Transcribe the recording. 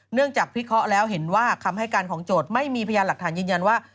จากพิเคราะห์แล้วเห็นว่าคำให้การของโจทย์ไม่มีพยานหลักฐานยืนยันว่า